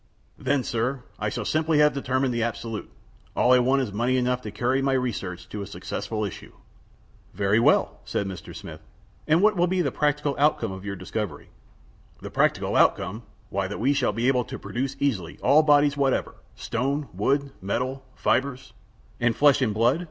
"Then, sir, I shall simply have determined the absolute. All I want is money enough to carry my research to a successful issue." "Very well," said Mr. Smith. "And what will be the practical outcome of your discovery?" "The practical outcome? Why, that we shall be able to produce easily all bodies whatever stone, wood, metal, fibers " "And flesh and blood?"